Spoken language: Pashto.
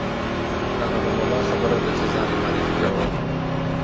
هغه د ملا خبره ده چې ځان یې معرفي کاوه.